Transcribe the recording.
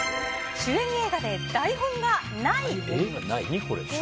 主演映画で台本がない？